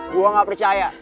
gue gak percaya